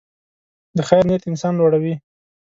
د خیر نیت انسان لوړوي.